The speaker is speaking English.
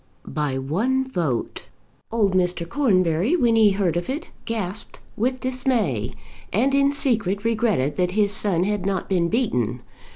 By one vote! Old Mr. Cornbury when he heard of it gasped with dismay, and in secret regretted that his son had not been beaten.